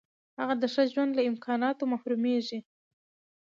هغه د ښه ژوند له امکاناتو محرومیږي.